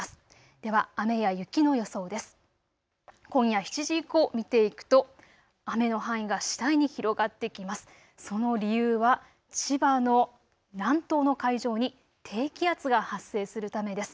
では雨や雪の予想です。